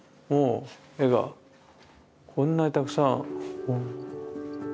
絵がこんなにたくさん。